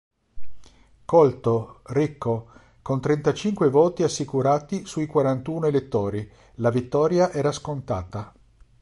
Colto, ricco, con trentacinque voti assicurati sui quarantuno elettori, la vittoria era scontata.